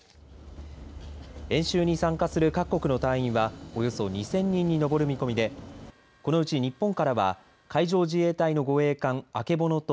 演習に参加する各国の隊員はおよそ２０００人に上る見込みでこのうち日本からは海上自衛隊の護衛艦、あけぼのと